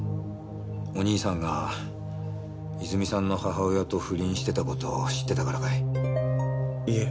お兄さんが泉さんの母親と不倫してた事を知ってたからかい？